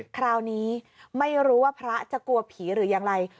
คราวนี้ไม่รู้ว่าพระจะกลัวผีหรืออย่างไร